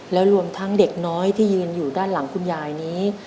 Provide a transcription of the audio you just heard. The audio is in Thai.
แล้วรวมทั้งเด็กน้อยที่ยืนอยู่ด้านหลังคุณยายนี้